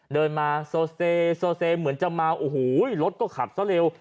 เดินมาโซเซโซเซเหมือนจะเมาโอ้โหรถก็ขับซะเร็ว